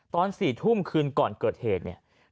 ตอน๔ทุ่มคืนก่อนเกิดเหตุเนี่ย